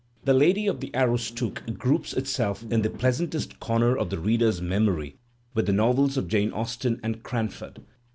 "The Lady of the Aroostook" groups itself in the pleasantest comer of the reader's memory with the novels of Jane Austen and "Cranford."